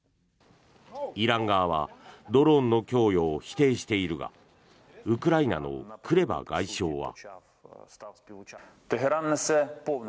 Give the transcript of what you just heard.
イラン側はドローンの供与を否定しているがウクライナのクレバ外相は。